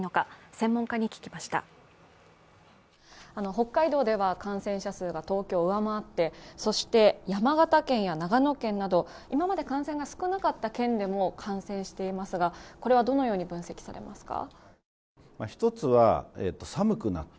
北海道では感染者数が東京を上回ってそして山形県や長野県など、今まで感染が少なかった県でも感染していますが、これはどのように分析されますか？